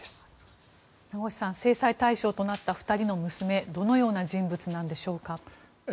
名越さん制裁対象となった２人の娘どのような人物なんでしょうか。